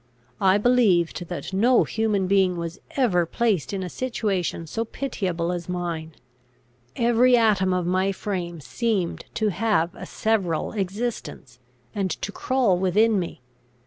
I believed that no human being was ever placed in a situation so pitiable as mine. Every atom of my frame seemed to have a several existence, and to crawl within me.